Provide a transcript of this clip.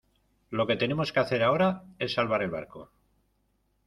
lo que tenemos que hacer ahora es salvar el barco.